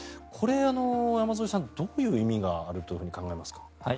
これ、山添さんどういう意味があると考えられますか？